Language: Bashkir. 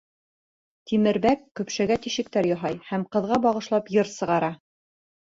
Тимербәк көпшәгә тишектәр яһай һәм ҡыҙға бағышлап йыр сығара: